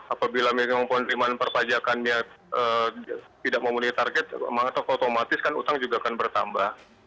apabila memang penerimaan perpajakannya tidak memenuhi target maka otomatis kan utang juga akan bertambah